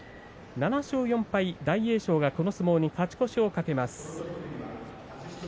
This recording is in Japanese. ７勝４敗、大栄翔はこの相撲に勝ち越しを懸けます。